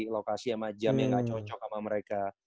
lokasi yang macam yang nggak cocok sama mereka